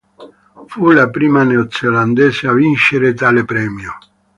Fu la prima neozelandese a vincere tale premio.